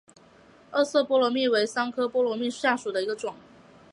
二色波罗蜜为桑科波罗蜜属下的一个种。